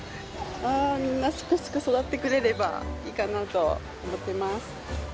ああ、みんなすくすく育ってくれればいいかなと思っています。